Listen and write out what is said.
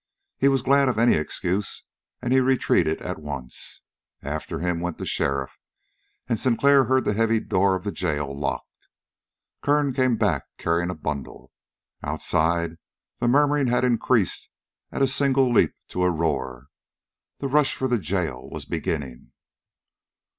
He was glad of any excuse, and he retreated at once. After him went the sheriff, and Sinclair heard the heavy door of the jail locked. Kern came back, carrying a bundle. Outside, the murmuring had increased at a single leap to a roar. The rush for the jail was beginning.